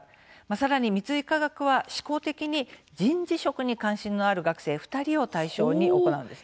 さらに、三井化学は試行的に人事職に関心のある学生２人を対象に行うんです。